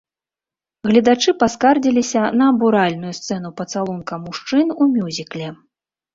Гледачы паскардзіліся на абуральную сцэну пацалунка мужчын у мюзікле.